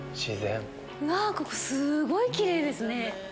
うわここすごいキレイですね。